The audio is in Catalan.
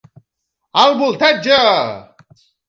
Alt voltatge!